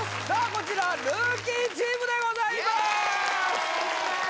こちらルーキーチームでございますお願いしまーす